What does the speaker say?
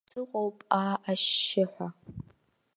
Сыҟоуп, аа, ашьшьыҳәа.